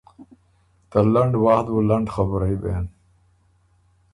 ته لنډ وخت بُو لنډ خبُرئ بېن،